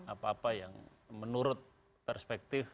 apa apa yang menurut perspektif